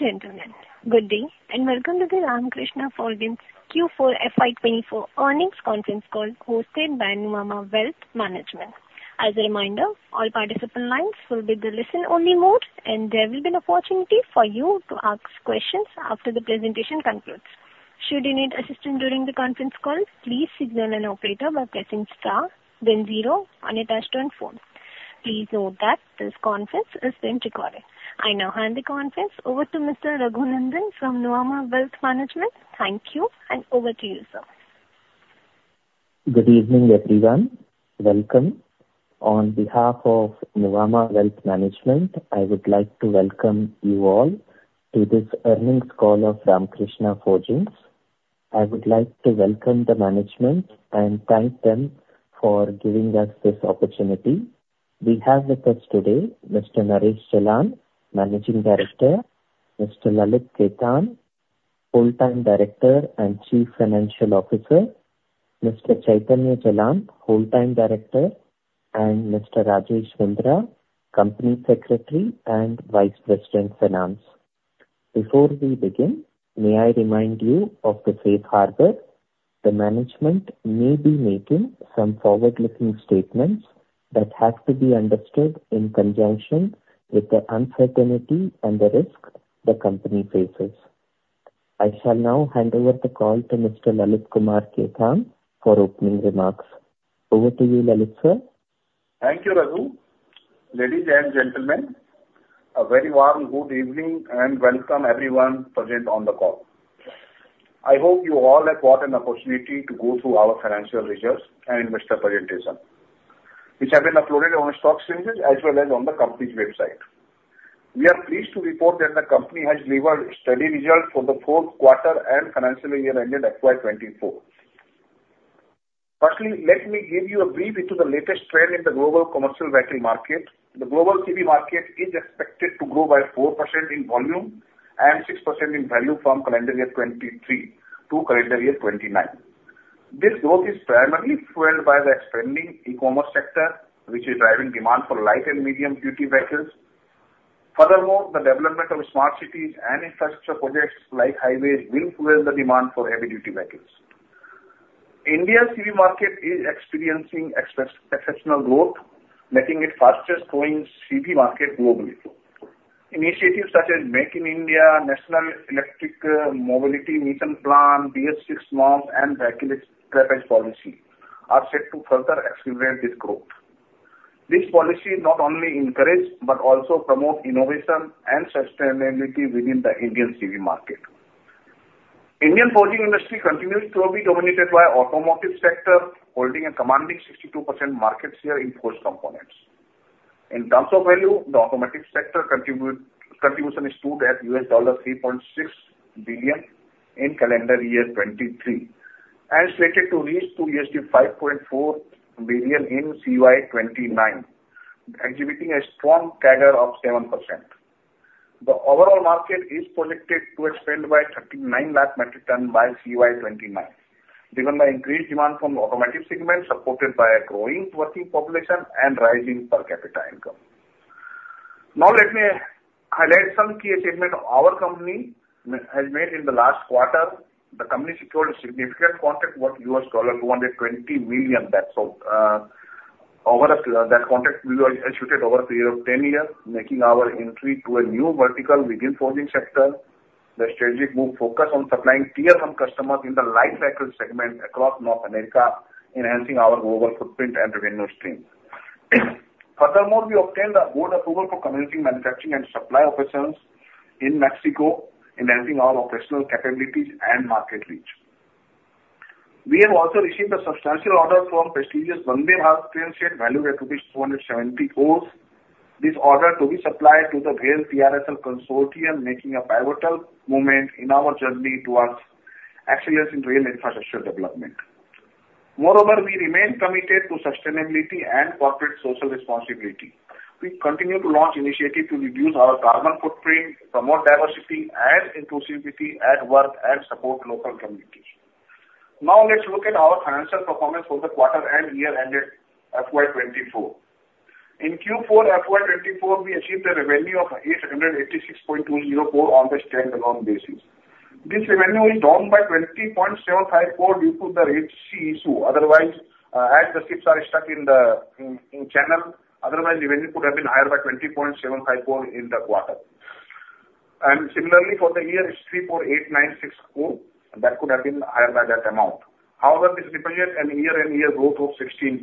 Ladies and gentlemen, good day, and welcome to the Ramkrishna Forgings Q4 FY 2024 earnings conference call hosted by Nuvama Wealth Management. As a reminder, all participant lines will be in the listen only mode, and there will be an opportunity for you to ask questions after the presentation concludes. Should you need assistance during the conference call, please signal an operator by pressing star then zero on your touchtone phone. Please note that this conference is being recorded. I now hand the conference over to Mr. Raghu Nandan from Nuvama Wealth Management. Thank you, and over to you, sir. Good evening, everyone. Welcome. On behalf of Nuvama Wealth Management, I would like to welcome you all to this earnings call of Ramkrishna Forgings. I would like to welcome the management and thank them for giving us this opportunity. We have with us today Mr. Naresh Jalan, Managing Director, Mr. Lalit Khetan, Full-time Director and Chief Financial Officer, Mr. Chaitanya Jalan, Full-time Director, and Mr. Rajesh Mundhra, Company Secretary and Vice President, Finance. Before we begin, may I remind you of the safe harbor. The management may be making some forward-looking statements that have to be understood in conjunction with the uncertainty and the risk the company faces. I shall now hand over the call to Mr. Lalit Kumar Khetan for opening remarks. Over to you, Lalit, sir. Thank you, Raghu. Ladies and gentlemen, a very warm good evening, and welcome everyone present on the call. I hope you all have got an opportunity to go through our financial results and investor presentation, which have been uploaded on the stock exchanges as well as on the company's website. We are pleased to report that the company has delivered steady results for the fourth quarter and financial year ended FY 2024. Firstly, let me give you a brief into the latest trend in the global commercial vehicle market. The global CV market is expected to grow by 4% in volume and 6% in value from calendar year 2023 to calendar year 2029. This growth is primarily fueled by the expanding e-commerce sector, which is driving demand for light and medium duty vehicles. Furthermore, the development of smart cities and infrastructure projects like highways will fuel the demand for heavy duty vehicles. India's CV market is experiencing exceptional growth, making it fastest growing CV market globally. Initiatives such as Make in India, National Electric Mobility Mission Plan, BS VI norms and Vehicle Scrappage Policy are set to further accelerate this growth. This policy not only encourage but also promote innovation and sustainability within the Indian CV market. Indian forging industry continues to be dominated by automotive sector, holding a commanding 62% market share in forged components. In terms of value, the automotive sector contribution stood at $3.6 billion in calendar year 2023, and is slated to reach to $5.4 billion in CY 2029, exhibiting a strong CAGR of 7%. The overall market is projected to expand by 39 lakh metric tons by CY 2029, driven by increased demand from the automotive segment, supported by a growing working population and rising per capita income. Now let me highlight some key achievement our company has made in the last quarter. The company secured a significant contract worth $220 million, that's over a period of 10 years, that contract we will execute over a period of 10 years, making our entry to a new vertical within forging sector. The strategic move focus on supplying tier one customers in the light vehicle segment across North America, enhancing our global footprint and revenue stream. Furthermore, we obtained the board approval for commencing manufacturing and supply operations in Mexico, enhancing our operational capabilities and market reach. We have also received a substantial order from prestigious Vande Bharat train set, valued at 270 crore. This order to be supplied to the BHEL-Titagarh Consortium, making a pivotal moment in our journey towards excellence in rail infrastructure development. Moreover, we remain committed to sustainability and corporate social responsibility. We continue to launch initiative to reduce our carbon footprint, promote diversity and inclusivity at work, and support local communities. Now, let's look at our financial performance for the quarter and year ended FY 2024. In Q4 FY 2024, we achieved a revenue of 886.20 crore on the standalone basis. This revenue is down by 20.75 crore due to the Red Sea issue, otherwise, as the ships are stuck in the channel, otherwise revenue could have been higher by 20.75 crore in that quarter. Similarly, for the year, it's 3,489.6 crore, that could have been higher by that amount. However, this represents a year-on-year growth of 16%.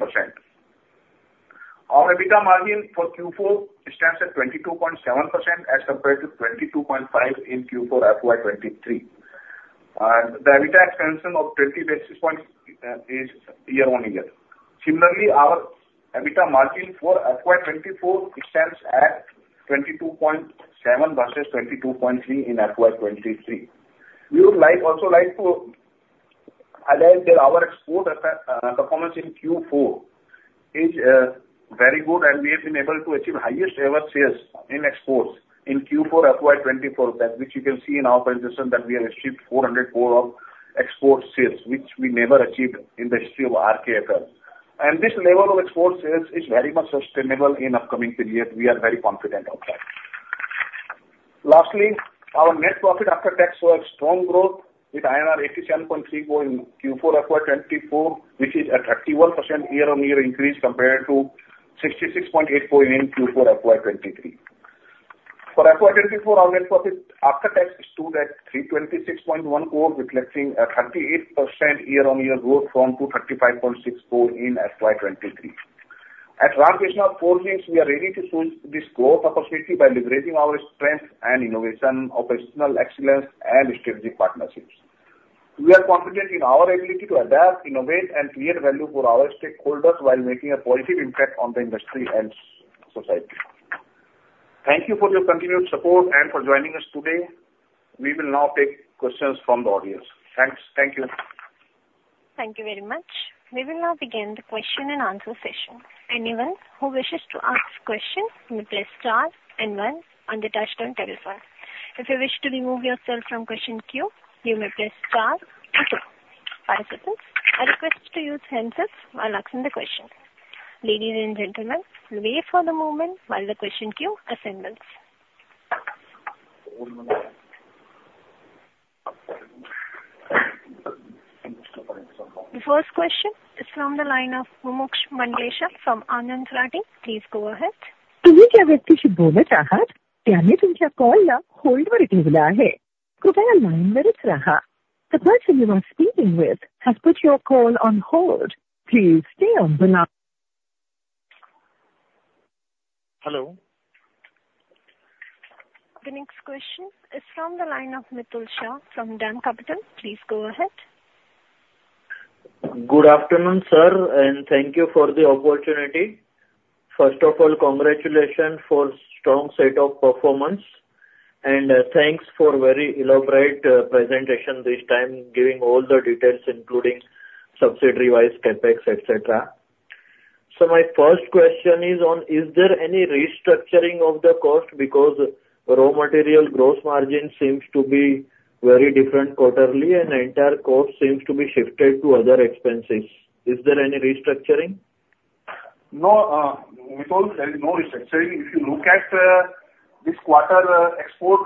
Our EBITDA margin for Q4 stands at 22.7% as compared to 22.5% in Q4 FY 2023. The EBITDA expansion of 20 basis points is year on year. Similarly, our EBITDA margin for FY 2024 stands at 22.7% versus 22.3% in FY 2023. We would like, also like to highlight that our export performance in Q4 is very good, and we have been able to achieve highest ever sales in exports in Q4 FY 2024. That which you can see in our presentation, that we have achieved 400 crore of export sales, which we never achieved in the history of RKFL. This level of export sales is very much sustainable in upcoming period. We are very confident of that. Lastly, our net profit after tax showed strong growth with INR 87.34 in Q4 FY 2024, which is a 31% year-on-year increase compared to 66.84 in Q4 FY 2023. For FY 2024, our net profit after tax stood at 326.1 crore, reflecting a 38% year-on-year growth from 235.6 crore in FY 2023. At Ramkrishna Forgings, we are ready to seize this growth opportunity by leveraging our strength and innovation, operational excellence and strategic partnerships. We are confident in our ability to adapt, innovate, and create value for our stakeholders while making a positive impact on the industry and society. Thank you for your continued support and for joining us today. We will now take questions from the audience. Thanks. Thank you. Thank you very much. We will now begin the question and answer session. Anyone who wishes to ask questions, you may press star and one on the touchtone telephone. If you wish to remove yourself from question queue, you may press star two. Participants, I request to use hands up while asking the questions. Ladies and gentlemen, wait for the moment while the question queue assembles. The first question is from the line of Mumuksh Mandlesha from Anand Rathi. Please go ahead. The person you are speaking with has put your call on hold. Please stay on the line. Hello? The next question is from the line of Mitul Shah from DAM Capital. Please go ahead. Good afternoon, sir, and thank you for the opportunity. First of all, congratulations for strong set of performance, and, thanks for very elaborate, presentation this time, giving all the details, including subsidiary-wise CapEx, et cetera. So my first question is on, is there any restructuring of the cost because raw material gross margin seems to be very different quarterly, and the entire cost seems to be shifted to other expenses. Is there any restructuring? No, Mitul, there is no restructuring. If you look at this quarter, export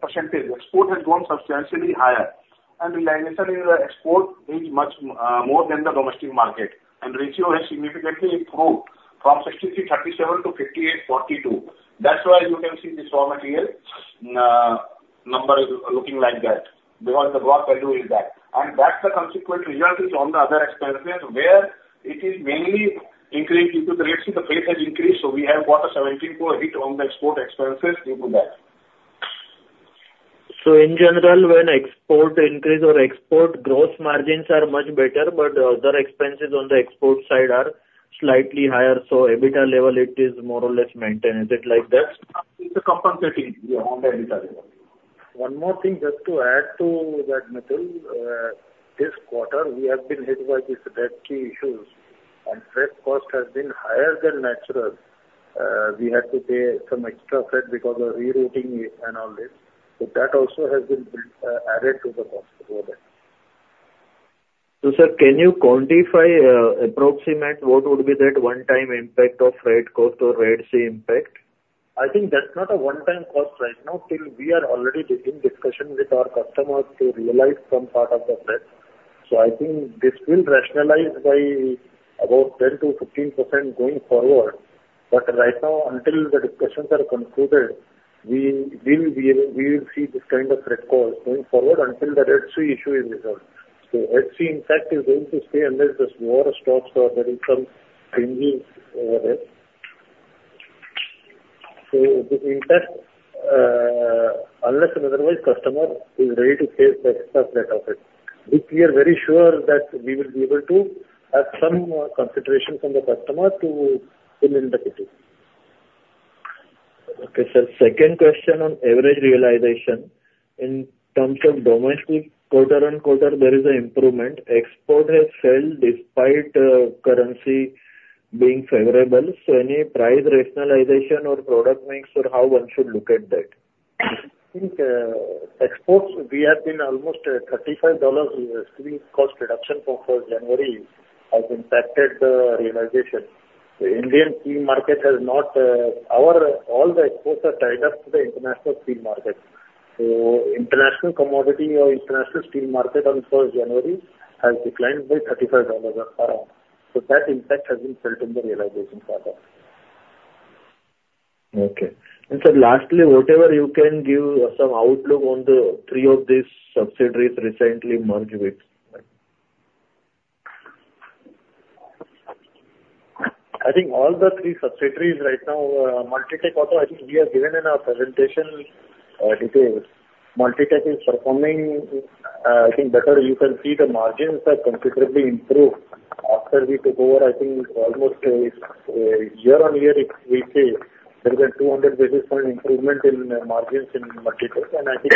percentage, export has gone substantially higher, and realization in the export is much more than the domestic market. And ratio has significantly improved from 63-37 to 58-42. That's why you can see this raw material number is looking like that, because the raw value is that. And that's the consequent result is on the other expenses, where it is mainly increased due to theRed Sea, the freight has increased, so we have got a 17 crore hit on the export expenses due to that. So, in general, when export increase or export growth margins are much better, but other expenses on the export side are slightly higher, so EBITDA level, it is more or less maintained. Is it like that? It's compensating, yeah, on the EBITDA level. One more thing, just to add to that, Mitul, this quarter we have been hit by this Red Sea issues, and freight cost has been higher than natural. We had to pay some extra freight because of rerouting and all this, but that also has been added to the cost for that. So, sir, can you quantify, approximate what would be that one-time impact of freight cost or Red Sea impact? I think that's not a one-time cost right now, till we are already in discussion with our customers to realize some part of the freight. So I think this will rationalize by about 10%-15% going forward, but right now, until the discussions are concluded, we will see this kind of freight cost going forward until the Red Sea issue is resolved. So Red Sea impact is going to stay unless there's more stocks or there is some changes over there. So this impact, unless and otherwise customer is ready to pay the extra freight of it. Which we are very sure that we will be able to have some consideration from the customer to fill in the duty. Okay, sir. Second question on average realization. In terms of domestic, quarter-on-quarter, there is an improvement. Exports have fallen despite currency being favorable, so any price rationalization or product mix or how one should look at that? I think, exports, we have been almost at $35 in steel cost reduction from first January, has impacted the realization. The Indian steel market has not... Our, all the exports are tied up to the international steel market. So international commodity or international steel market on first January has declined by around $35. So that impact has been felt in the realization for that. Okay. Sir, lastly, whatever you can give some outlook on the three of these subsidiaries recently merged with? I think all the three subsidiaries right now, Multitech Auto, I think we have given in our presentation, details. Multitech is performing, I think better. You can see the margins have considerably improved. After we took over, I think almost, yea-on-year, if we say, there's a 200 basis point improvement in, margins in Multitech. And I think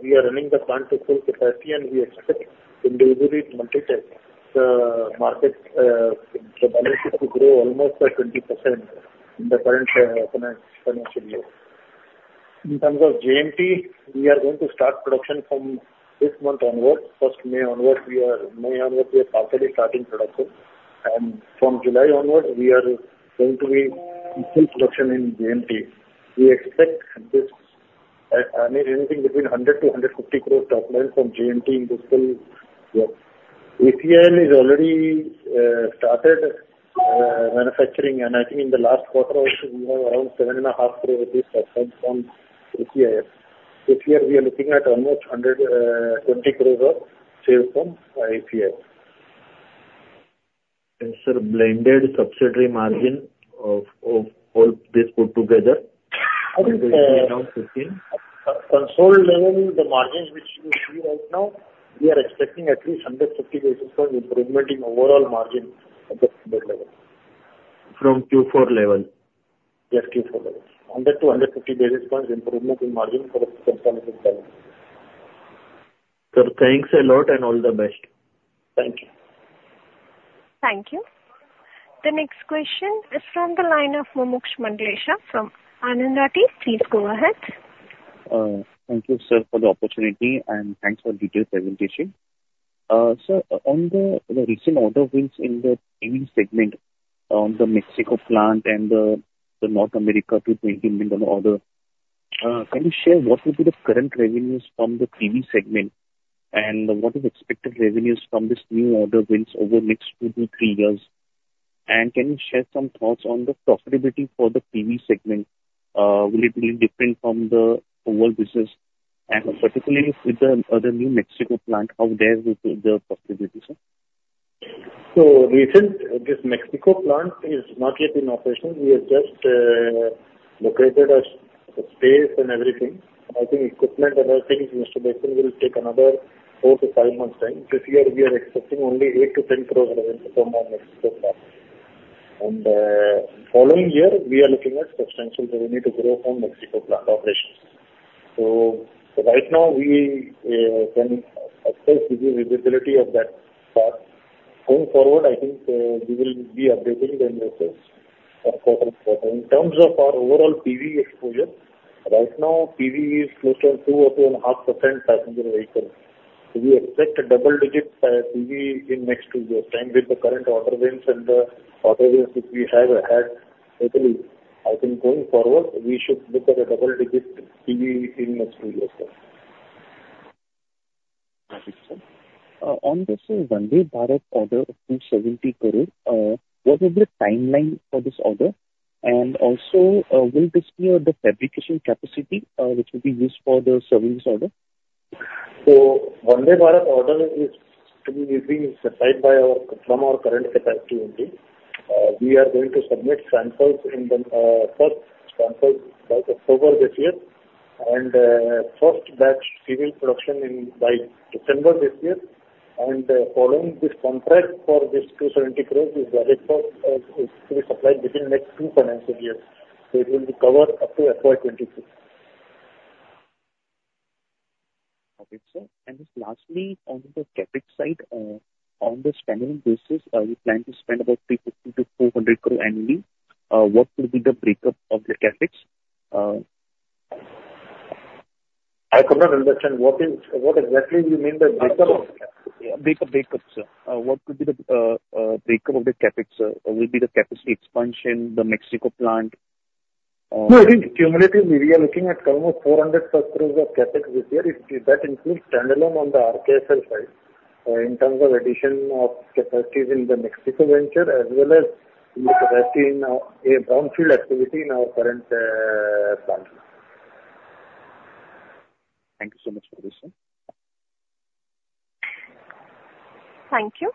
we are running the plant to full capacity, and we expect in the delivery Multitech, the market, the volumes to grow almost by 20% in the current, financial year. In terms of JMT, we are going to start production from this month onward. May onwards, we are partially starting production, and from July onwards, we are going to be in full production in JMT. We expect this. I mean, anything between 100 crore-150 crore top line from JMT in this full-year. ACIL is already started manufacturing, and I think in the last quarter also, we have around 7.5 crore rupees at least from ACIL. This year, we are looking at almost 120 crore of sales from ACIL. Sir, blended subsidiary margin of all this put together, I think it's around 15%? At consolidated level, the margins which you see right now, we are expecting at least 150 basis points improvement in overall margin at the blended level. From Q4 level? Yes, Q4 level. 100-150 basis points improvement in margin for the forthcoming time. Sir, thanks a lot and all the best. Thank you. Thank you. The next question is from the line of Mumuksh Mandlesha from Anand Rathi. Please go ahead. Thank you, sir, for the opportunity, and thanks for detailed presentation. Sir, on the recent order wins in the PV segment on the Mexico plant and the North America 2 million order, can you share what will be the current revenues from the PV segment, and what is expected revenues from this new order wins over next two to three years? And can you share some thoughts on the profitability for the PV segment? Will it be different from the overall business, and particularly with the new Mexico plant, how do we view the profitability, sir? So recent, this Mexico plant is not yet in operation. We have just located a space and everything. I think equipment and other things, Mumuksh, will take another four to five months' time. This year, we are expecting only 8-10 crore revenue from our Mexico plant. And following year, we are looking at substantial revenue to grow from Mexico plant operations. So right now, we can assess the visibility of that part. Going forward, I think we will be updating the investors quarter on quarter. In terms of our overall PV exposure, right now, PV is close to 2 or 2.5% passenger vehicles. We expect a double digit PV in next two years' time with the current order wins and the order wins which we have had. Totally, I think going forward, we should look at a double-digit PV in next two years, sir. Thank you, sir. On this Vande Bharat order of 270 crore, what is the timeline for this order? And also, will this be the fabrication capacity, which will be used for the servicing order? So Vande Bharat order is to be, will be supplied by our, from our current capacity only. We are going to submit samples, first samples by October this year, and first batch serial production by December this year. Following this contract for 270 crore is valid for, is to be supplied within next two financial years. So it will be covered up to FY 2022. Okay, sir. And just lastly, on the CapEx side, on the standalone basis, you plan to spend about 350 crore-400 crore annually. What will be the breakup of the CapEx? I could not understand. What is, what exactly you mean by breakup of CapEx? Breakup, breakup, sir. What would be the breakup of the CapEx, sir? Will be the capacity expansion, the Mexico plant. No, I think cumulatively, we are looking at around 400+ crores of CapEx this year. That includes standalone on the RKFL side, in terms of addition of capacities in the Mexico venture, as well as in the capacity in our brownfield activity in our current plant. Thank you so much for this, sir. Thank you.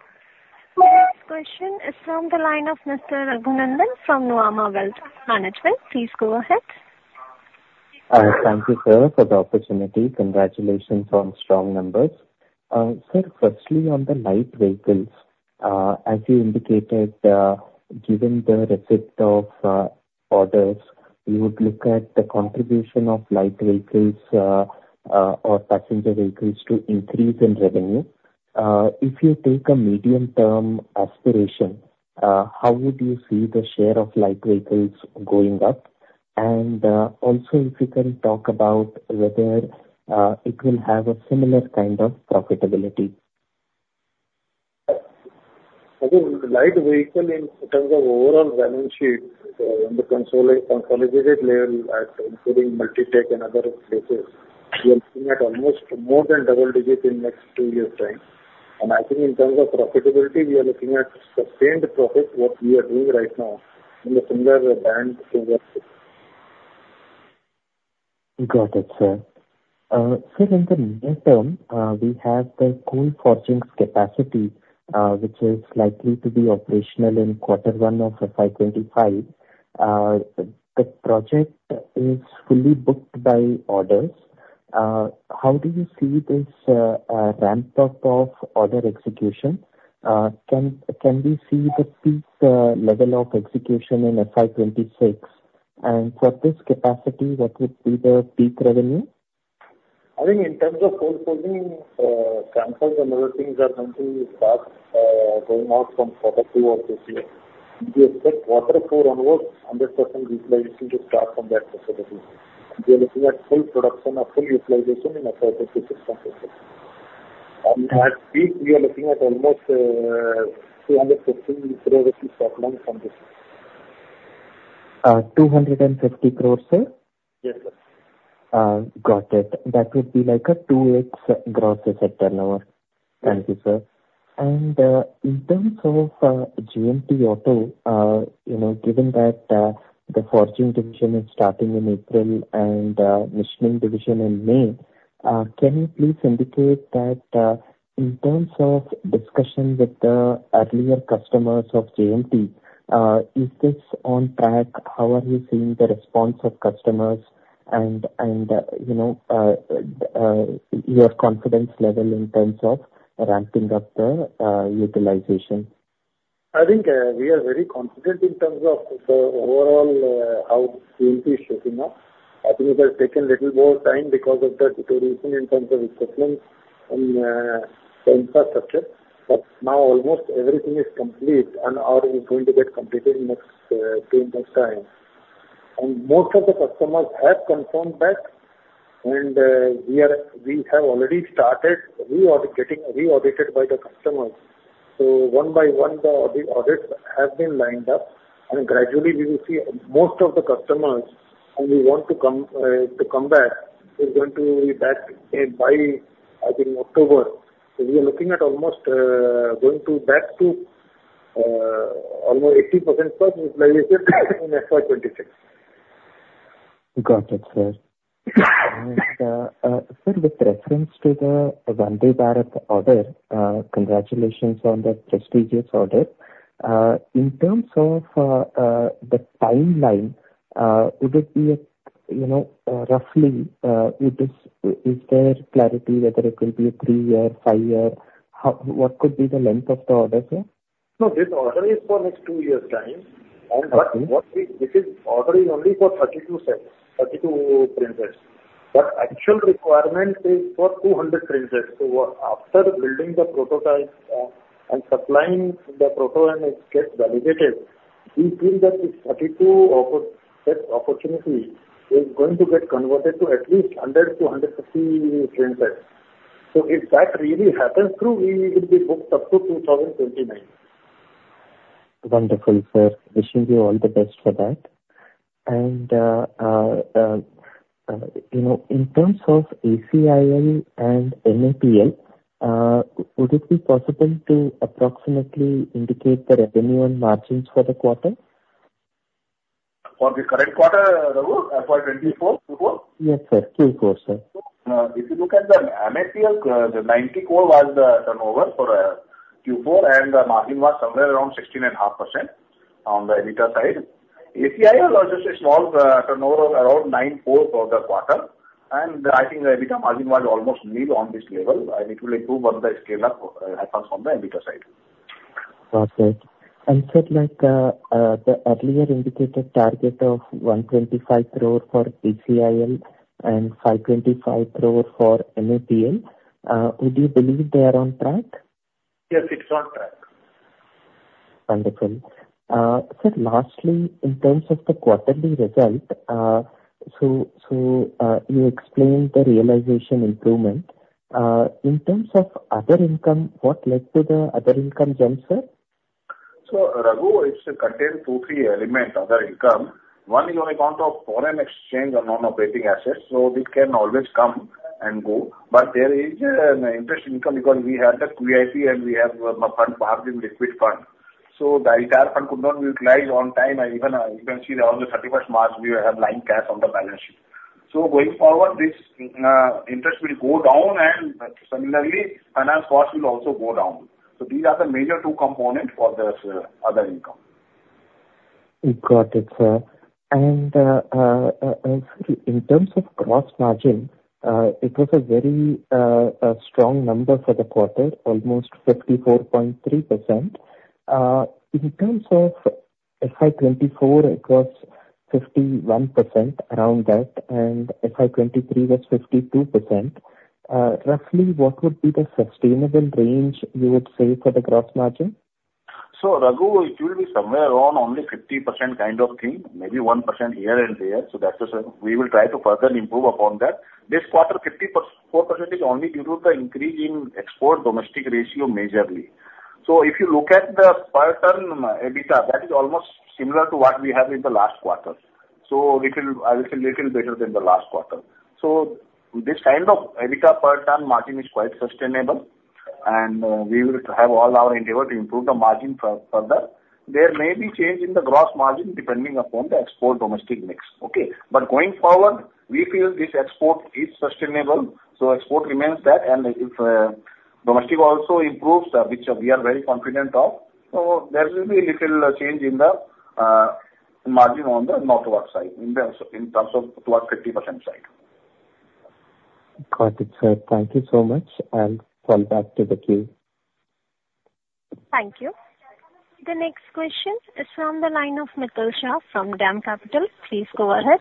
Next question is from the line of Mr. Raghu Nandan from Nuvama Wealth Management. Please go ahead. Thank you, sir, for the opportunity. Congratulations on strong numbers. Sir, firstly, on the light vehicles, as you indicated, given the receipt of orders, you would look at the contribution of light vehicles, or passenger vehicles to increase in revenue. If you take a medium-term aspiration, how would you see the share of light vehicles going up? And also, if you can talk about whether it will have a similar kind of profitability. The light vehicle in terms of overall revenue share, on the consolidated level, including Multitech and other places, we are looking at almost more than double digits in next two years' time. And I think in terms of profitability, we are looking at sustained profit, what we are doing right now in a similar band forward. Got it, sir. Sir, in the near term, we have the cold forging capacity, which is likely to be operational in Q1 of FY 2025. The project is fully booked by orders. How do you see this ramp-up of order execution? Can we see the peak level of execution in FY 2026? And for this capacity, what would be the peak revenue? ... I think in terms of cold rolling, samples and other things are going to start going out from quarter two of this year. We expect quarter four onwards, 100% utilization to start from that facility. We are looking at full production or full utilization in FY 2026. And at peak, we are looking at almost 250 crore revenue from this. 250 crore, sir? Yes, sir. Got it. That would be like a 2x gross asset turnover. Right. Thank you, sir. In terms of JMT Auto, you know, given that the forging division is starting in April and machining division in May, can you please indicate that in terms of discussions with the earlier customers of JMT, is this on track? How are you seeing the response of customers and, and, you know, your confidence level in terms of ramping up the utilization? I think, we are very confident in terms of the overall, how JMT is shaping up. I think it has taken a little more time because of the deterioration in terms of equipment and, the infrastructure. But now almost everything is complete and are going to get completed in next, two months' time. And most of the customers have confirmed that, and, we have already started re-auditing, re-audited by the customers. So one by one, the audits have been lined up, and gradually we will see most of the customers who we want to come, to come back, is going to be back, by, I think October. So we are looking at almost, going back to, almost 80%+ utilization in FY 2026. Got it, sir. Sir, with reference to the Vande Bharat order, congratulations on that prestigious order. In terms of the timeline, would it be, you know, roughly, is there clarity whether it will be a three-year, five-year? What could be the length of the order, sir? No, this order is for next two years' time. Okay. What we, this is order is only for 32 sets, 32 train sets. But actual requirement is for 200 train sets. So after building the prototype, and supplying the proto and it gets validated, we feel that this 32 set opportunity is going to get converted to at least 100 to 150 train sets. So if that really happens true, we will be booked up to 2029. Wonderful, sir. Wishing you all the best for that. And, you know, in terms of ACIL and MAPL, would it be possible to approximately indicate the revenue and margins for the quarter? For the current quarter, Raghu, for 24, Q4? Yes, sir. Q4, sir. If you look at the MAPL, the 90 crore was the turnover for Q4, and the margin was somewhere around 16.5% on the EBITDA side. ACIL was just a small turnover of around 9 crore for the quarter, and I think the EBITDA margin was almost nil on this level, and it will improve once the scale-up happens on the EBITDA side. Got it. Sir, like, the earlier indicated target of 125 crore for ACIL and 525 crore for MAPL, would you believe they are on track? Yes, it's on track. Wonderful. Sir, lastly, in terms of the quarterly result, you explained the realization improvement. In terms of other income, what led to the other income jump, sir? So, Raghu, it's contained twoto three elements, other income. One is on account of foreign exchange and non-operating assets, so this can always come and go. But there is an interest income because we have the QIP and we have a fund, balance in Liquid Fund. So the entire fund could not utilize on time, and even you can see around the 31st March, we have INR 9 cash on the balance sheet. So going forward, this interest will go down, and similarly, finance cost will also go down. So these are the major two components for this other income. Got it, sir. And, in terms of gross margin, it was a very strong number for the quarter, almost 54.3%. In terms of FY 2024, it was 51%, around that, and FY 2023 was 52%. Roughly, what would be the sustainable range you would say for the gross margin? So, Raghu, it will be somewhere around only 50% kind of thing, maybe 1% here and there, so that is. We will try to further improve upon that. This quarter, 54% is only due to the increase in export-domestic ratio majorly. So if you look at the per ton EBITDA, that is almost similar to what we have in the last quarter, so little better than the last quarter. So this kind of EBITDA per ton margin is quite sustainable, and we will have all our endeavor to improve the margin further. There may be change in the gross margin depending upon the export-domestic mix. Okay? But going forward, we feel this export is sustainable, so export remains there. If domestic also improves, which we are very confident of, so there will be little change in the margin on the non-auto side, in terms, in terms of towards 50% side. Got it, sir. Thank you so much. I'll fall back to the queue.... Thank you. The next question is from the line of Mitul Shah from DAM Capital. Please go ahead.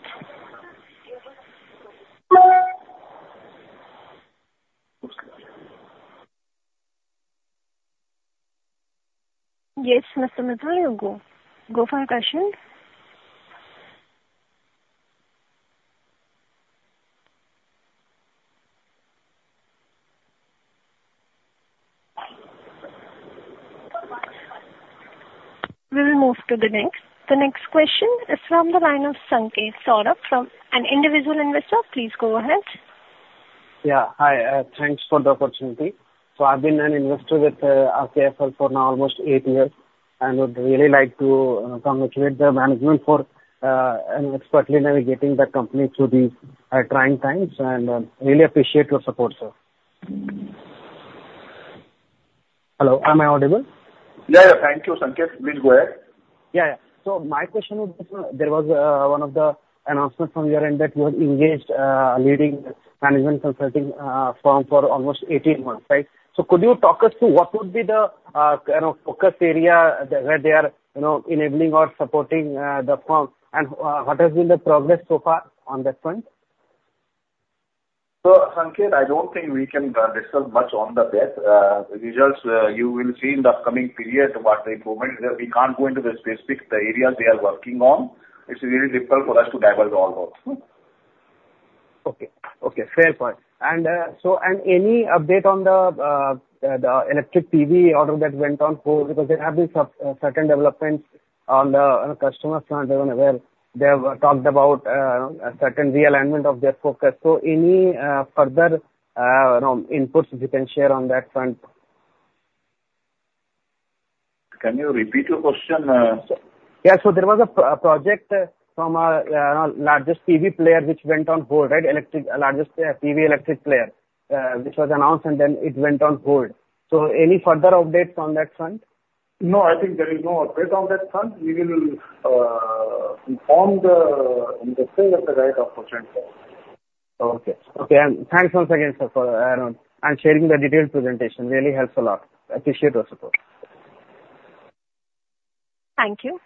Yes, Mr. Mitul, you go. Go for your question. We will move to the next. The next question is from the line of Sanket Sorak from an individual investor. Please go ahead. Yeah, hi. Thanks for the opportunity. So I've been an investor with RKL for now almost eight years, and would really like to congratulate the management for expertly navigating the company through these trying times, and really appreciate your support, sir. Hello, am I audible? Yeah, yeah. Thank you, Sanket. Please go ahead. Yeah, yeah. So my question was, there was one of the announcements from your end that you had engaged leading management consulting firm for almost 18 months, right? So could you talk us through what would be the, you know, focus area where they are, you know, enabling or supporting the firm? And what has been the progress so far on that front? So, Sanket, I don't think we can discuss much on that. The results you will see in the upcoming period about the improvement. We can't go into the specific, the areas they are working on. It's really difficult for us to divulge all those. Okay. Okay, fair point. So, any update on the electric PV order that went on hold? Because they have these certain developments on the customer front, where they have talked about a certain realignment of their focus. So any further, you know, inputs you can share on that front? Can you repeat your question? Yeah. So there was a project from our largest PV player, which went on hold, right? Electric, largest PV electric player, which was announced, and then it went on hold. So any further updates on that front? No, I think there is no update on that front. We will, inform the, in the course of the right opportunity. Okay. Okay, and thanks once again, sir, for, and sharing the detailed presentation. Really helps a lot. I appreciate your support. Thank you.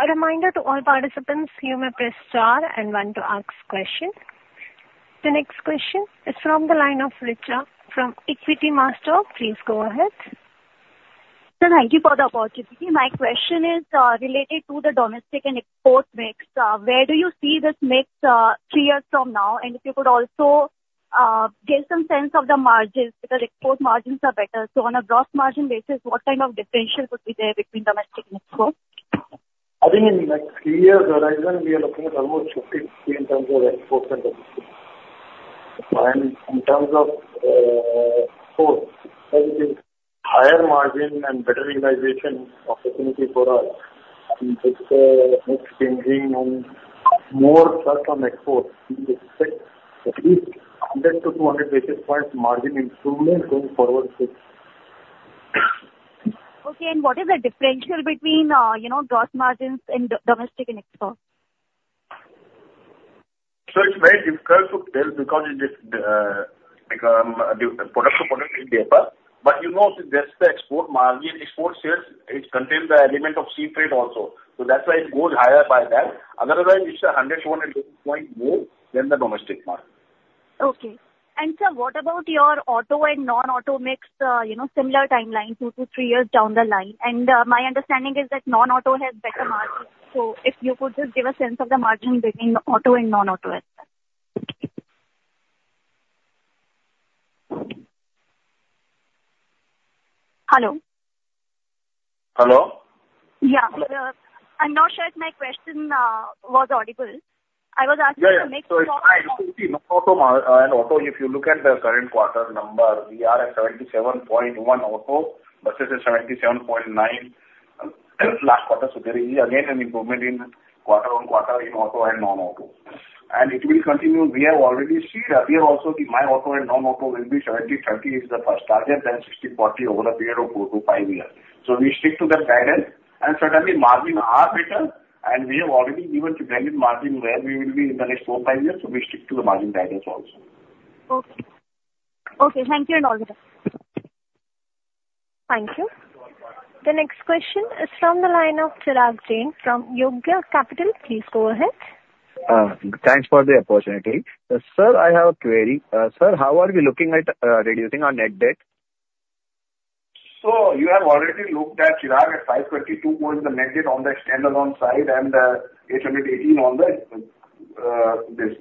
A reminder to all participants, you may press star and one to ask question. The next question is from the line of Richa from Equitymaster. Please go ahead. Sir, thank you for the opportunity. My question is related to the domestic and export mix. Where do you see this mix three years from now? And if you could also give some sense of the margins, because export margins are better. So on a gross margin basis, what kind of differential could be there between domestic and export? I think in next three years horizon, we are looking at almost 50/50 in terms of export and domestic. And in terms of export, as it is higher margin and better realization opportunity for us, and with the mix changing and more stress on export, we expect at least 100 to 200 basis points margin improvement going forward. Okay, and what is the differential between, you know, gross margins in domestic and export? It's very difficult to tell because it is product to product. It differs. But, you know, just the export margin, export sales, it contains the element of sea freight also, so that's why it goes higher by that. Otherwise, it's 100-200 basis points more than the domestic margin. Okay. And sir, what about your auto and non-auto mix, you know, similar timeline, two to three years down the line? And my understanding is that non-auto has better margins. So if you could just give a sense of the margin between auto and non-auto as well. Hello? Hello? Yeah. I'm not sure if my question was audible. I was asking the mix- Yeah, yeah. So it's high, see, non-auto and auto, if you look at the current quarter number, we are at 77.1 auto versus a 77.9 last quarter. So there is again, an improvement in quarter-on-quarter in auto and non-auto. And it will continue. We have already seen that. We have also seen my auto and non-auto will be 70/30 is the first target, then 60/40 over a period of four to five years. So we stick to that guidance. And certainly, margin are better, and we have already given blended margin where we will be in the next four to five years, so we stick to the margin guidance also. Okay. Okay, thank you and all the best. Thank you. The next question is from the line of Chirag Jain from Yogya Capital. Please go ahead. Thanks for the opportunity. Sir, I have a query. Sir, how are we looking at reducing our net debt? You have already looked at, Chirag, 522 points, the net debt on the standalone side and 818 on the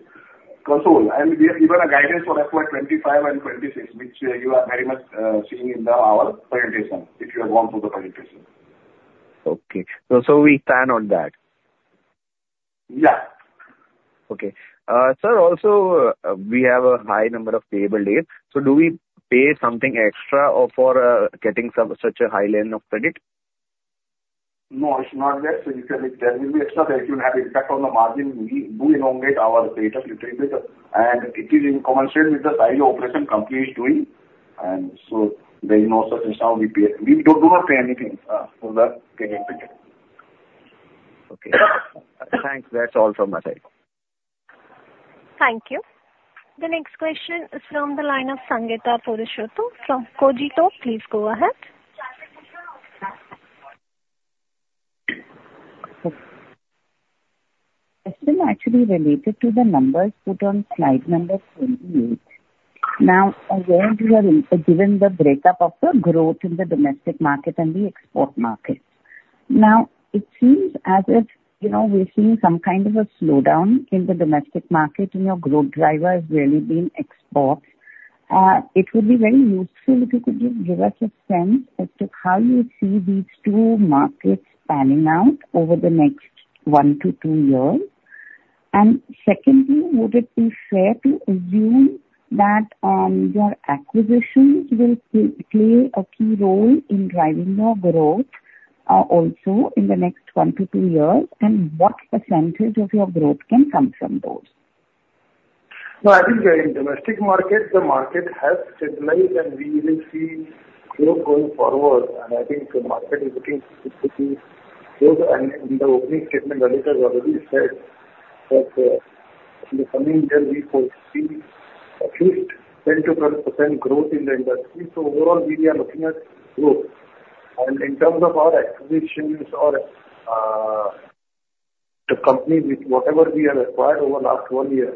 consolidated. And we have given a guidance for FY 2025 and 2026, which you are very much seeing in our presentation, if you have gone through the presentation. Okay. So, we plan on that? Yeah. Okay. Sir, also, we have a high number of payable days. So do we pay something extra or for getting such a high line of credit? No, it's not that. So you can... There will be extra, it will have impact on the margin. We do elongate our payables little bit, and it is in consonance with the style of operation company is doing, and so there is no such instance of we pay. We do, do not pay anything for that kind of credit. Okay. Thanks. That's all from my side.... Thank you. The next question is from the line of Sangeeta Purushottam from Cogito. Please go ahead. Question actually related to the numbers put on slide number 28. Now, again, you have given the breakup of the growth in the domestic market and the export market. Now, it seems as if, you know, we're seeing some kind of a slowdown in the domestic market, and your growth driver has really been export. It would be very useful if you could just give us a sense as to how you see these two markets panning out over the next one to two years. And secondly, would it be fair to assume that your acquisitions will play a key role in driving your growth, also in the next one to two years? And what percentage of your growth can come from those? No, I think in domestic market, the market has stabilized, and we will see growth going forward, and I think the market is looking good to me. So, and in the opening statement, Anish has already said that, in the coming year, we could see at least 10%-12% growth in the industry. So overall, we are looking at growth. And in terms of our acquisitions or, the company with whatever we have acquired over last one year,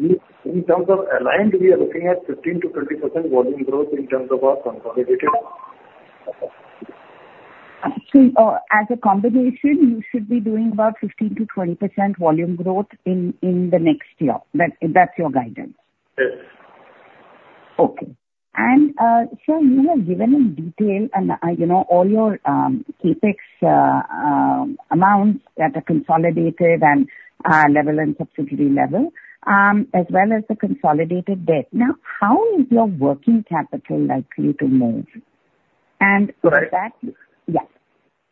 we, in terms of ACIL, we are looking at 15%-20% volume growth in terms of our consolidated. Actually, as a combination, you should be doing about 15%-20% volume growth in the next year. That, that's your guidance? Yes. Okay. Sir, you have given in detail and, you know, all your CapEx amounts that are consolidated and level and subsidiary level, as well as the consolidated debt. Now, how is your working capital likely to move? And with that- Right. Yeah.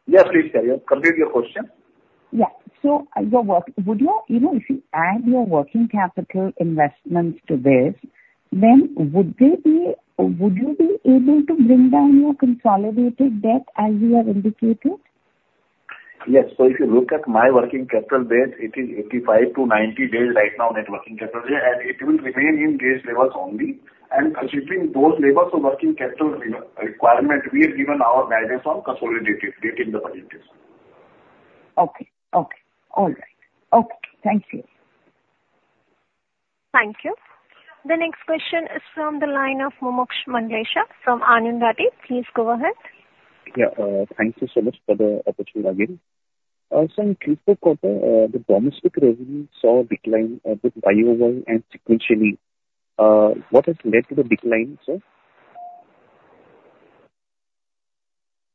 Yes, please carry on. Complete your question. Yeah. So, your work... Would your, you know, if you add your working capital investments to this, then would they be, would you be able to bring down your consolidated debt as you have indicated? Yes. So if you look at my working capital base, it is 85-90 days right now, net working capital, and it will remain in these levels only. And considering those levels of working capital requirement, we have given our guidance on consolidated debt in the positives. Okay. Okay. All right. Okay, thank you. Thank you. The next question is from the line of Mumuksh Mandlesha from Anand Rathi. Please go ahead. Yeah, thank you so much for the opportunity again. So in Q4 quarter, the domestic revenue saw a decline, both YOY and sequentially. What has led to the decline, sir?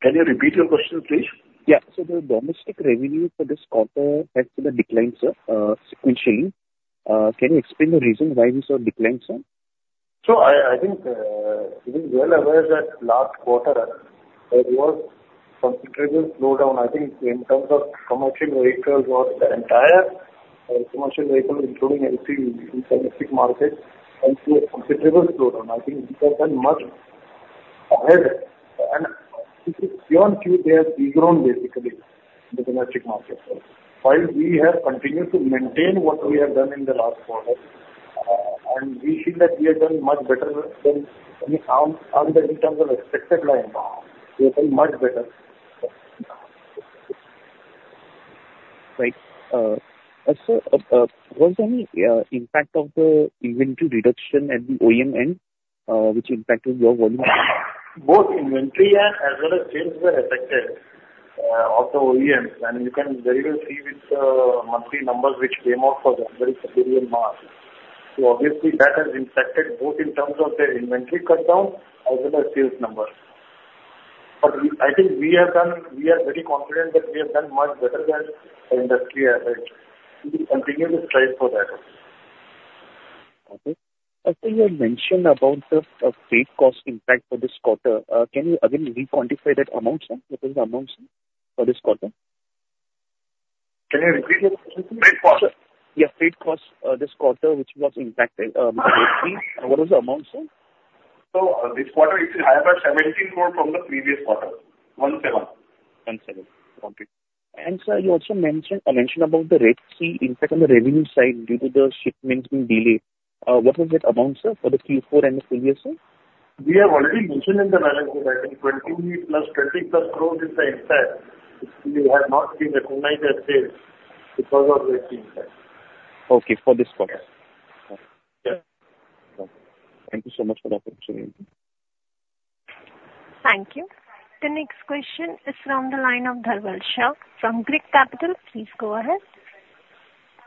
Can you repeat your question, please? Yeah. So the domestic revenue for this quarter has been a decline, sir, sequentially. Can you explain the reason why we saw a decline, sir? So I think you are well aware that last quarter there was considerable slowdown, I think, in terms of commercial vehicles or the entire commercial vehicle, including LCV in domestic market, went through a considerable slowdown. I think we have done much ahead, and it is beyond Q4, we've grown basically the domestic market. While we have continued to maintain what we have done in the last quarter, and we feel that we have done much better than, I mean, on, on the, in terms of expected line, we have done much better. Right. Sir, was there any impact of the inventory reduction at the OEM end, which impacted your volume? Both inventory and as well as sales were affected of the OEMs, and you can very well see with the monthly numbers which came out for January, February and March. So obviously, that has impacted both in terms of their inventory cutdown as well as sales numbers. But we, I think we have done... We are very confident that we have done much better than the industry average. We will continue to strive for that. Okay. Sir, you had mentioned about the freight cost impact for this quarter. Can you again re-quantify that amount, sir? What is the amount, sir, for this quarter? Can you repeat your question? Freight cost. Yeah, freight cost this quarter, which was impacted, what is the amount, sir? This quarter it is higher by 17 crore from the previous quarter, 17. 17. Okay. Sir, you also mentioned about the Red Sea impact on the revenue side due to the shipments being delayed. What is that amount, sir, for the Q4 and the previous year? We have already mentioned in the balance, 20+, 20+ crore is the impact, which we have not been recognized as sales because of the impact. Okay, for this quarter. Yes. Yes. Thank you so much for the opportunity. Thank you. The next question is from the line of Dhaval Shah from Girik Capital. Please go ahead.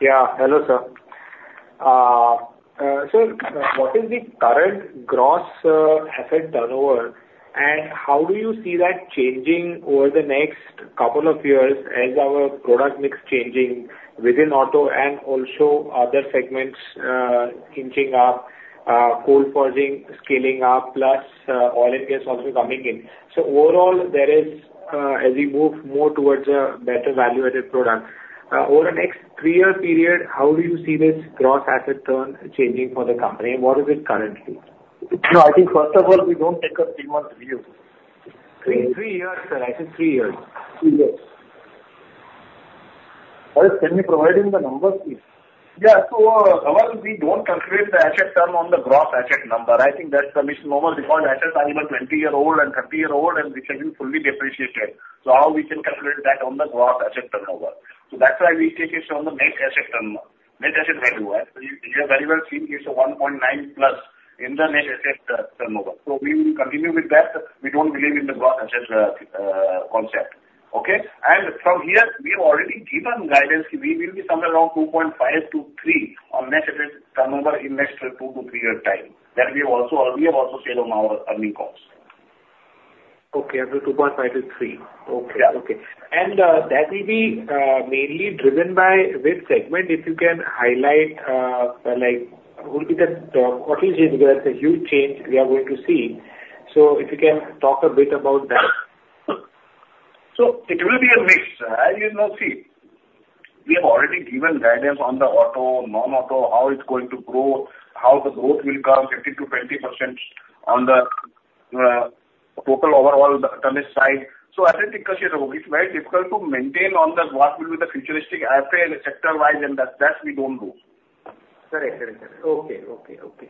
Yeah. Hello, sir. So what is the current gross asset turnover? And how do you see that changing over the next couple of years as our product mix changing within Auto and also other segments inching up, cold forging scaling up, plus oil OFS also coming in. So overall, there is as we move more towards a better value-added product over the next three-year period, how do you see this gross asset turn changing for the company? What is it currently? I think, first of all, we don't take a three-month view. Three, three years, sir. I said three years. Three years?... Can you provide him the numbers, please? Yeah, so, well, we don't calculate the asset turn on the gross asset number. I think that's a misnomer, because assets are even 20-year-old and 30-year-old, and they have been fully depreciated. So how we can calculate that on the gross asset turnover? So that's why we take it on the net asset turnover, net asset value, right? You, you have very well seen it's a 1.9+ in the net asset, turnover. So we will continue with that. We don't believe in the gross asset, concept. Okay? And from here, we have already given guidance. We will be somewhere around 2.5-3 on net asset turnover in next two to three year time. That we have also, we have also said on our earnings calls. Okay, up to 2.5-3. Yeah. Okay, okay. And, that will be mainly driven by which segment, if you can highlight, like, what will be the top? What is it where the huge change we are going to see? So if you can talk a bit about that. So it will be a mix. As you now see, we have already given guidance on the auto, non-auto, how it's going to grow, how the growth will come 50%-20% on the, total overall the tonnage side. So as I think, it's very difficult to maintain on the what will be the futuristic, I say, sector-wise, and that we don't do. Correct. Correct, correct. Okay, okay, okay.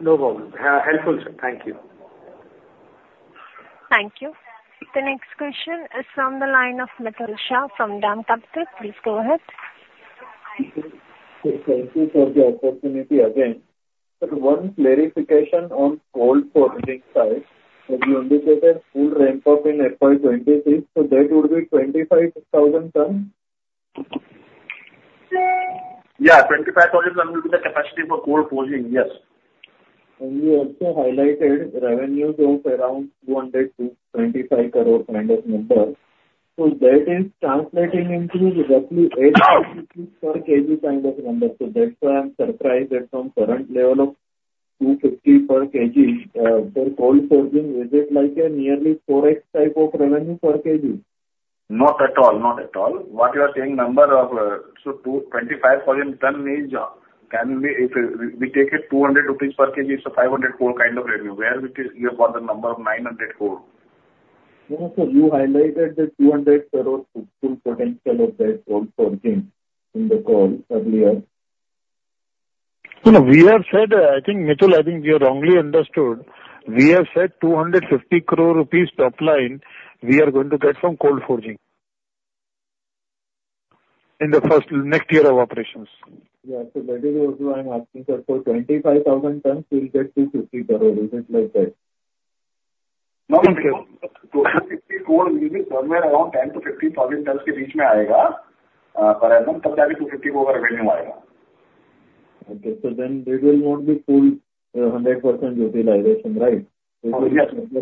No problem. Helpful, sir. Thank you. Thank you. The next question is from the line of Mitul Shah from DAM Capital. Please go ahead. Thank you for the opportunity again. But one clarification on cold forging side, that you indicated full ramp up in FY 2026, so that would be 25,000 tons? Yeah, 25,000 tons will be the capacity for cold forging, yes. You also highlighted revenues of around 200-225 crore kind of number. So that is translating into roughly 8 per kg kind of number. So that's why I'm surprised that from current level of 250 per kg for cold forging, is it like a nearly 4x type of revenue per kg? Not at all. Not at all. What you are saying number of, so 25,000 tons is, can be, if we, we take it 200 rupees per kg, it's 500 crore kind of revenue, where it is you have got the number of 900 crore. No, no, sir, you highlighted the 200 crore full potential of that cold forging in the call earlier. No, no, we have said, I think, Mitul, I think you wrongly understood. We have said 250 crore rupees top line, we are going to get from cold forging... In the first, next year of operations. Yeah, so that is what I'm asking, sir, for 25,000 tons, we'll get 250 crore. Is it like that? No. 250 crore will be somewhere around 10,000-15,000 tons per annum. Okay. So then there will not be full, 100% utilization, right? Yeah.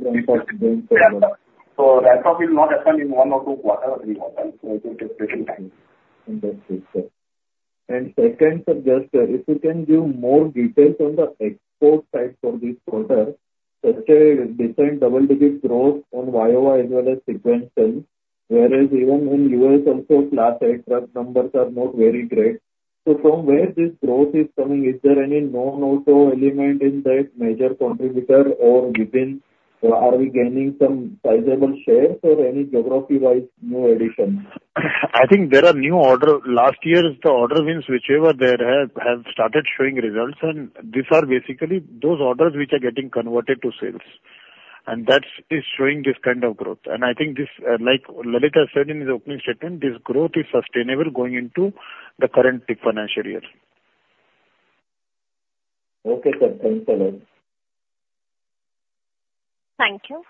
Ramp-up will not happen in one or two quarter or three quarter. It will take little time. Understood, sir. And second, sir, just, if you can give more details on the export side for this quarter, let's say decent double-digit growth on Y-O-Y as well as sequential, whereas even in U.S. also, Class A truck numbers are not very great. So from where this growth is coming, is there any non-auto element in that major contributor or within, are we gaining some sizable shares or any geography-wise new additions? I think there are new order. Last year's the order wins, whichever there have, have started showing results, and these are basically those orders which are getting converted to sales, and that is showing this kind of growth. And I think this, like Lalit has said in his opening statement, this growth is sustainable going into the current fiscal financial year. Okay, sir. Thanks a lot. Thank you.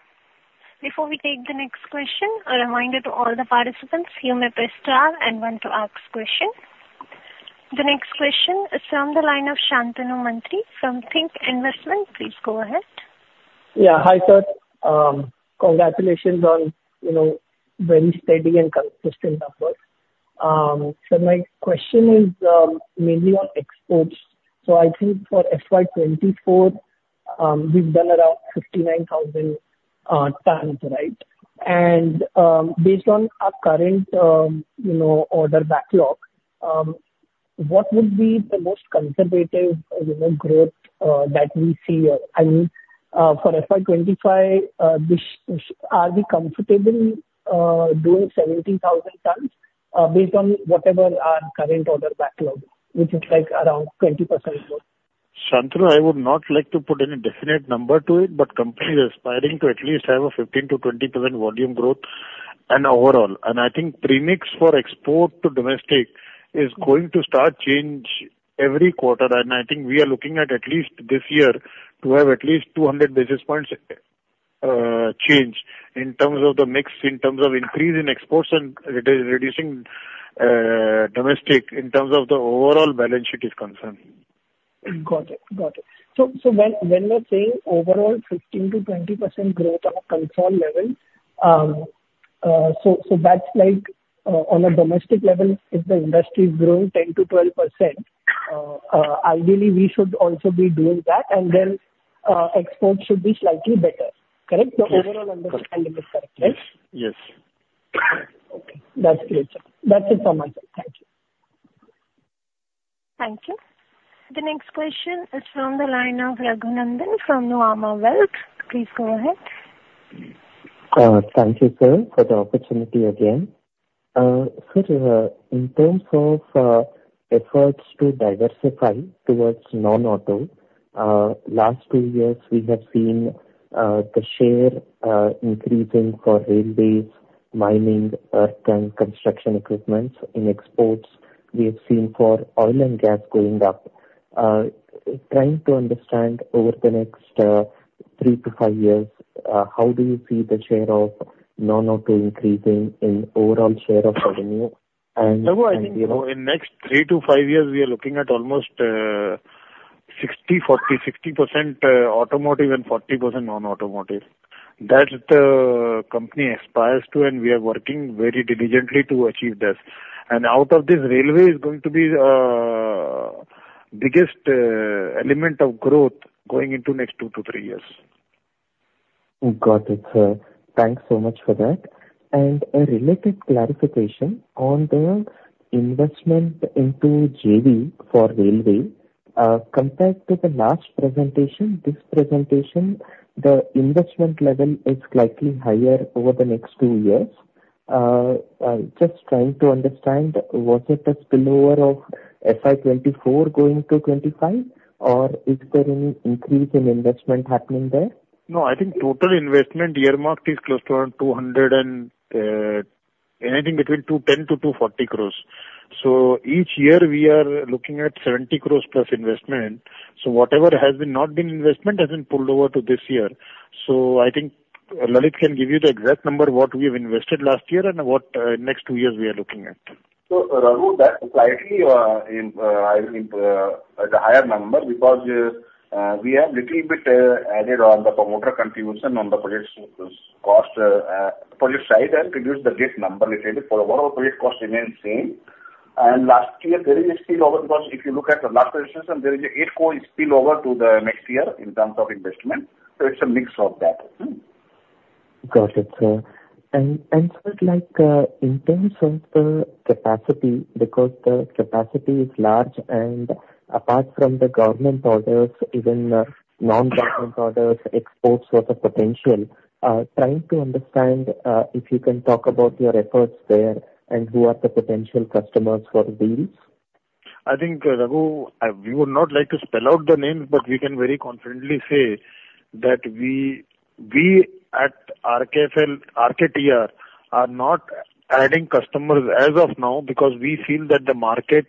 Before we take the next question, a reminder to all the participants, you may press star and one to ask question. The next question is from the line of Shantanu Mantri from Think Investments. Please go ahead. Yeah. Hi, sir. Congratulations on, you know, very steady and consistent numbers. So my question is, mainly on exports. So I think for FY 2024, we've done around 59,000 tons, right? And, based on our current, you know, order backlog, what would be the most conservative, you know, growth, that we see here? I mean, for FY 2025, are we comfortable, doing 70,000 tons, based on whatever our current order backlog, which is like around 20% growth? Shantanu, I would not like to put any definite number to it, but the company is aspiring to at least have a 15%-20% volume growth overall. And I think the mix for export to domestic is going to start changing every quarter. And I think we are looking at, at least this year, to have at least 200 basis points change in terms of the mix, in terms of increase in exports and reducing domestic, in terms of the overall balance sheet is concerned. Got it. Got it. So when we are saying overall 15%-20% growth on a compound level, so that's like on a domestic level, if the industry is growing 10%-12%, ideally we should also be doing that, and then exports should be slightly better. Correct? Yeah. My overall understanding is correct, right? Yes. Okay, that's great, sir. That's it from me, sir. Thank you.... Thank you. The next question is from the line of Raghu Nandan from Nuvama Wealth. Please go ahead. Thank you, sir, for the opportunity again. Sir, in terms of efforts to diversify towards non-auto, last two years, we have seen the share increasing for railways, mining, earth, and construction equipment. In exports, we have seen for oil and gas going up. Trying to understand over the next three to five years, how do you see the share of non-auto increasing in overall share of revenue? And, you know- I think, you know, in next three to five years, we are looking at almost 60-40, 60% automotive and 40% non-automotive. That company aspires to, and we are working very diligently to achieve this. And out of this, railway is going to be biggest element of growth going into next two to three years. Got it, sir. Thanks so much for that. A related clarification on the investment into JV for railway. Compared to the last presentation, this presentation, the investment level is slightly higher over the next two years. I'm just trying to understand, was it a spillover of FY 2024 going to 2025, or is there any increase in investment happening there? No, I think total investment earmarked is close to around 200 crores and anything between 210-240 crores. So each year we are looking at 70 crores plus investment. So whatever has not been investment has been pulled over to this year. So I think Lalit can give you the exact number, what we have invested last year and what next two years we are looking at. So, Raghu, that slightly, in, I mean, at a higher number because, we have little bit, added on the promoter contribution on the project's cost, project side and reduce the debt number little bit. For overall, project cost remains same. And last year there is a spillover, because if you look at the last presentation, there is a 8 crore spillover to the next year in terms of investment. So it's a mix of that. Mm-hmm. Got it, sir. And so, like, in terms of the capacity, because the capacity is large, and apart from the government orders, even non-government orders, exports was a potential. Trying to understand if you can talk about your efforts there and who are the potential customers for these? I think, Raghu, we would not like to spell out the names, but we can very confidently say that we, we at RKFL, RKTR, are not adding customers as of now because we feel that the market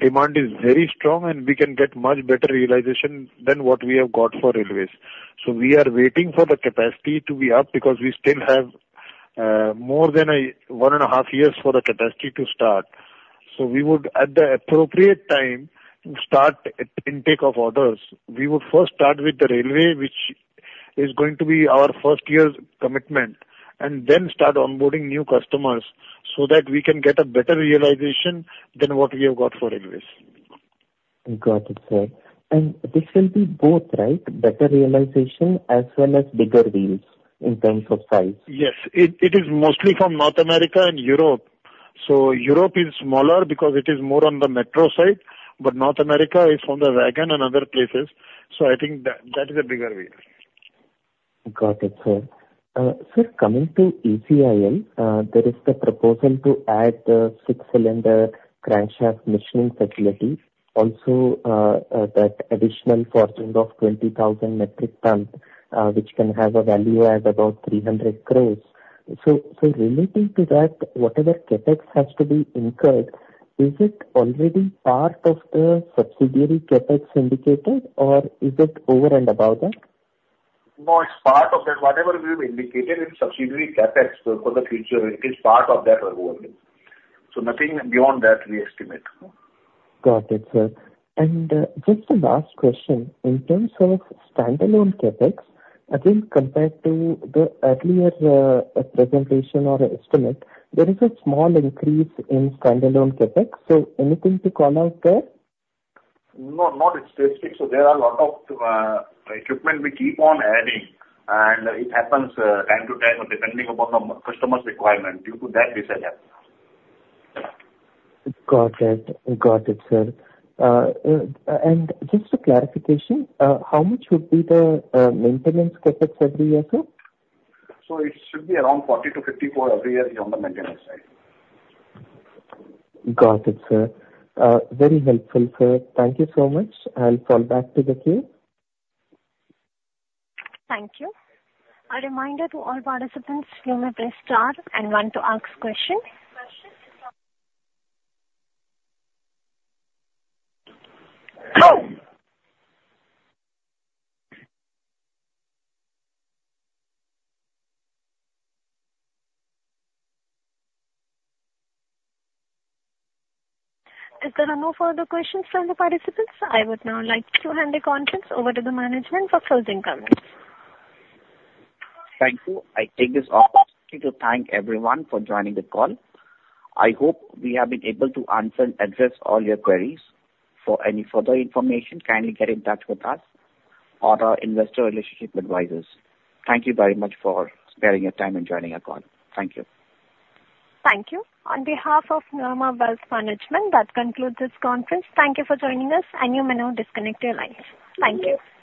demand is very strong, and we can get much better realization than what we have got for railways. So we are waiting for the capacity to be up because we still have more than 1.5 years for the capacity to start. So we would, at the appropriate time, start an intake of orders. We would first start with the railway, which is going to be our first year's commitment, and then start onboarding new customers so that we can get a better realization than what we have got for railways. Got it, sir. And this will be both, right? Better realization as well as bigger deals in terms of size. Yes. It is mostly from North America and Europe. So Europe is smaller because it is more on the metro side, but North America is from the wagon and other places, so I think that is a bigger weight. Got it, sir. So coming to ACIL, there is the proposal to add a six-cylinder crankshaft machining facility. Also, that additional forging of 20,000 metric tons, which can have a value as about 300 crore. So relating to that, whatever CapEx has to be incurred, is it already part of the subsidiary CapEx indicated, or is it over and above that? No, it's part of that. Whatever we've indicated in subsidiary CapEx for the future, it is part of that already. So nothing beyond that we estimate. Got it, sir. And, just the last question. In terms of standalone CapEx, I think compared to the earlier, presentation or estimate, there is a small increase in standalone CapEx. So anything to comment there? No, not especially. So there are a lot of equipment we keep on adding, and it happens time to time, depending upon the customer's requirement. Due to that, this will happen. Got it. Got it, sir. Just a clarification, how much would be the maintenance CapEx every year, sir? It should be around 40 crore-50 crore every year on the maintenance side. Got it, sir. Very helpful, sir. Thank you so much, I'll fall back to the queue. Thank you. A reminder to all participants, you may press star and one to ask question. As there are no further questions from the participants, I would now like to hand the conference over to the management for closing comments. Thank you. I take this opportunity to thank everyone for joining the call. I hope we have been able to answer and address all your queries. For any further information, kindly get in touch with us or our investor relationship advisors. Thank you very much for sparing your time and joining our call. Thank you. Thank you. On behalf of Nuvama Wealth Management, that concludes this conference. Thank you for joining us, and you may now disconnect your lines. Thank you.